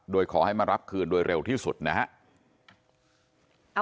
โดยขอให้มารับคืนโดยเร็วที่สุดนะฮะ